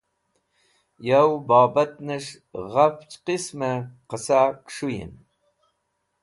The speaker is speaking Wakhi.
Yo bobatnes̃h gafch qismẽ qẽsa kẽs̃hũyẽn.